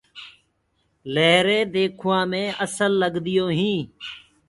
لهرينٚ ديکوآ مي اسل لگديونٚ هينٚ۔